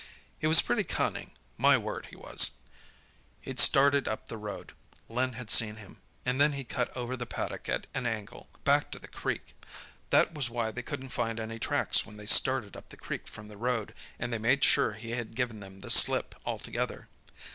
"He was pretty cunning—my word, he was! He'd started up the road—Len had seen him—and then he cut over the paddock at an angle, back to the creek. That was why they couldn't find any tracks when they started up the creek from the road, and they made sure he had given them the slip altogether.